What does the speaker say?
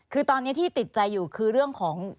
คือตอนนี้ที่ติดใจอยู่คือเรื่องของ